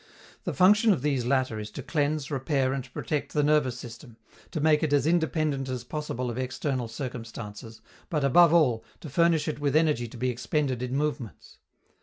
The function of these latter is to cleanse, repair and protect the nervous system, to make it as independent as possible of external circumstances, but, above all, to furnish it with energy to be expended in movements.